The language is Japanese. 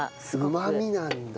うまみなんだ。